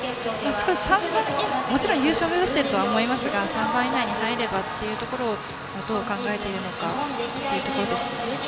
もちろん優勝を目指していると思いますが３番以内に入ればというところを考えているのかですね。